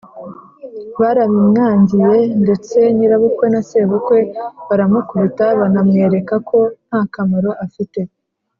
barabimwangiye ; ndetse nyirabukwe na sebukwe baramukubita banamwereka ko nta kamaro afite.